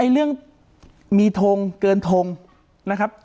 เรื่องมีทงเกินทงนะครับ